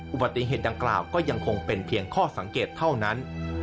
อุบัติเหตุดังกล่าวก็ยังคงเป็นเพียงข้อสังเกตเท่านั้น